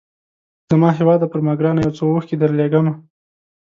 زما هیواده پر ما ګرانه یو څو اوښکي درلېږمه